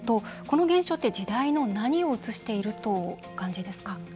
この現象って、時代の何を映しているとお感じですか？